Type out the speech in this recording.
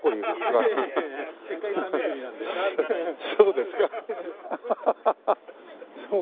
そそうですか。